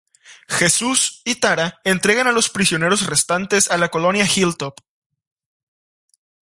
Jesús y Tara entregan a los prisioneros restantes a la colonia Hilltop.